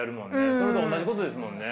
それと同じことですもんね。